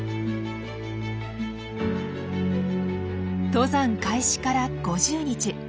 登山開始から５０日。